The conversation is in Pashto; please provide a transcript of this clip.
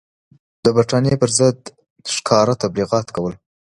د برټانیې پر ضد ښکاره تبلیغات کول.